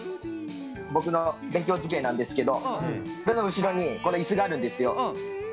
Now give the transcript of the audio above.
僕の勉強机なんですけどこれの後ろにこの椅子があるんですよ。